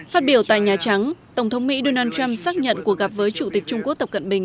phát biểu tại nhà trắng tổng thống mỹ donald trump xác nhận cuộc gặp với chủ tịch trung quốc tập cận bình